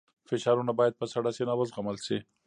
فشارونه باید په سړه سینه وزغمل شي.